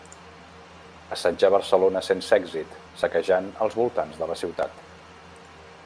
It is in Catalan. Assetjà Barcelona sense èxit, saquejant els voltants de la ciutat.